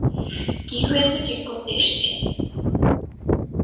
কী হয়েছে চেক করতে এসেছি।